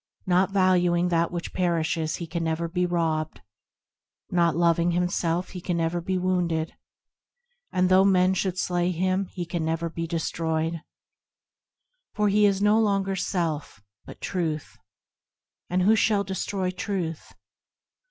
Not valuing that which perishes he can never be robbed; Not loving himself he can never be wounded ; And though men should slay him he can never be destroyed; For he is no longer self, but Truth, And who shall destroy Truth